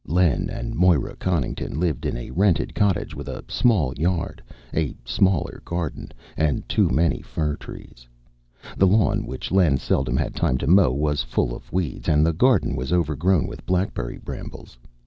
_Len and Moira Connington lived in a rented cottage with a small yard, a smaller garden, and too many fir trees. The lawn, which Len seldom had time to mow, was full of weeds, and the garden was overgrown with blackberry brambles.